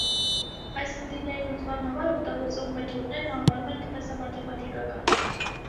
Այս խնդիրների լուծման համար օգտագործվող մեթոդներն անվանվում են տնտեսամաթեմատիկական։